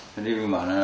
thế thì bố mẹ bảo là